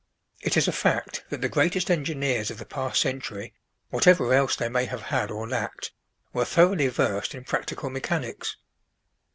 It is a fact that the greatest engineers of the past century, whatever else they may have had or lacked, were thoroughly versed in practical mechanics.